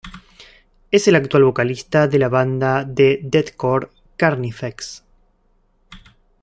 Es el actual vocalista de la banda de deathcore Carnifex.